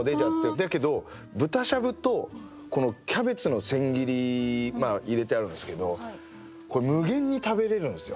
だけど豚しゃぶとキャベツの千切り入れてあるんですけどこれ無限に食べれるんですよ。